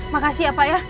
makasih ya pak ya